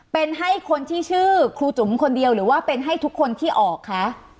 เป็นให้คนที่ชื่อครูจุ๋มคนเดียวหรือว่าเป็นให้ทุกคนที่ออกคะ